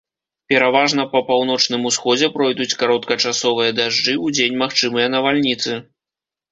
Пераважна па паўночным усходзе пройдуць кароткачасовыя дажджы, удзень магчымыя навальніцы.